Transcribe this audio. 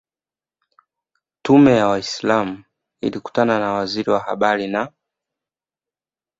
Tume ya waislamu ilikutana na Waziri wa Habari na